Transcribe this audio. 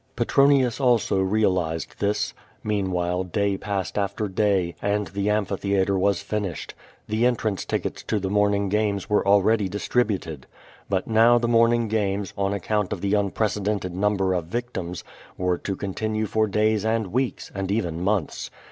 Petronius also realized this. Meanwhile, day i)assed after day, and the amphitlieatre was finished. Tlie ciitranee tick ets to the morning games were already distributed. But now the morning games, on account oi' the unprecedented number of victims, were to continue lor days and weeks, and even months.